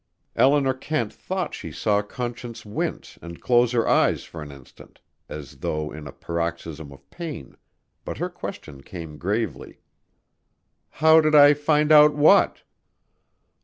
Eleanor Kent thought she saw Conscience wince and close her eyes for an instant as though in a paroxysm of pain, but her question came gravely: "How did I find out what?"